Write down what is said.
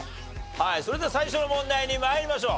はいそれでは最初の問題に参りましょう。